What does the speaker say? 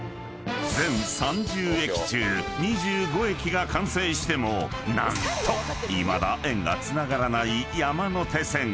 ［全３０駅中２５駅が完成しても何といまだ円がつながらない山手線］